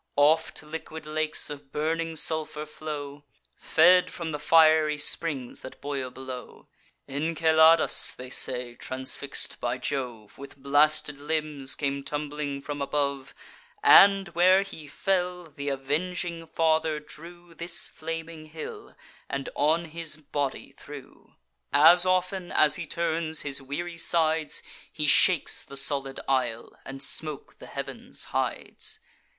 Oft liquid lakes of burning sulphur flow, Fed from the fiery springs that boil below. Enceladus, they say, transfix'd by Jove, With blasted limbs came tumbling from above; And, where he fell, th' avenging father drew This flaming hill, and on his body threw. As often as he turns his weary sides, He shakes the solid isle, and smoke the heavens hides.